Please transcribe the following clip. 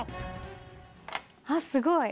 あっすごい！